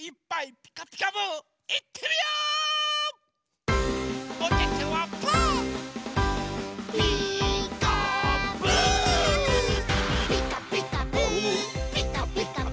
「ピカピカブ！ピカピカブ！」